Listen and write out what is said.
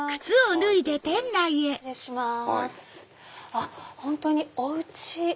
あっ本当におうち。